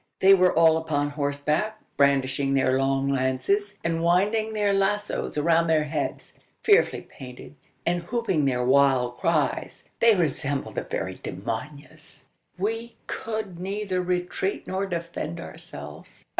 They were all upon horseback, brandishing their long lances, and winding their lazos around their heads. Fearfully painted, and whooping their wild cries, they resembled the very demonios! We could neither retreat nor defend ourselves.